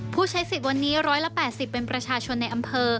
ผู้ใช้สิทธิ์วันนี้๑๘๐เป็นประชาชนในอำเภอ